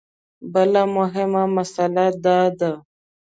بله مهمه مسله دا ده.